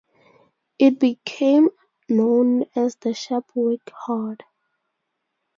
It became known as the Shapwick Hoard.